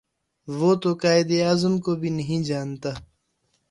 وہ تو قاہد اعظم کو بھی نہیں جانتا